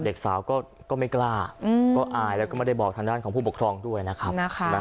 เด็กสาวก็ไม่กล้าก็อายแล้วก็ไม่ได้บอกทางด้านของผู้ปกครองด้วยนะครับ